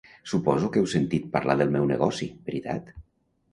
Suposo que heu sentit parlar del meu negoci, veritat?